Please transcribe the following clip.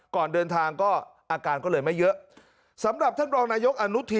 ก่อนเดินทางก็อาการก็เลยไม่เยอะสำหรับท่านรองนายกอนุทิน